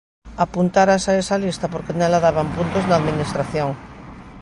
Apuntárase a esa lista porque nela daban puntos na Administración.